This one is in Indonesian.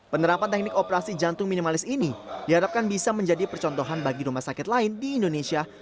penerapan teknik operasi jantung minimalis ini diharapkan bisa menjadi percontohan bagi rumah sakit lain di indonesia